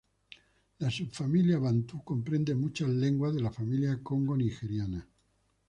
La subfamilia bantú comprende muchas lenguas de la familia congo-nigeriana.